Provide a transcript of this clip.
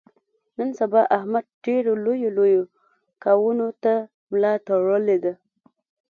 نن سبا احمد ډېرو لویو لویو کاونو ته ملا تړلې ده.